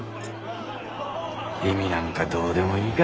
意味なんかどうでもいいか。